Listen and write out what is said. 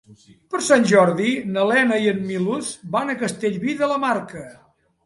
Per Sant Jordi na Lena i en Milos van a Castellví de la Marca.